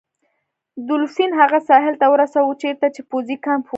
دولفین هغه ساحل ته ورساوه چیرته چې پوځي کمپ و.